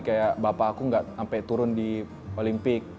kayak bapak aku gak sampai turun di olimpik